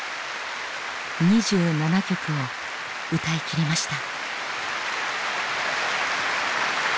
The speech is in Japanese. ２７曲を歌い切りました。